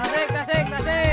tasik tasik tasik